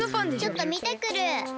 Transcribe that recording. ちょっとみてくる。